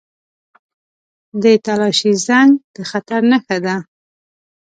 • د تالاشۍ زنګ د خطر نښه وي.